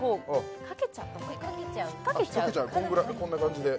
引っ掛けちゃうこんな感じで？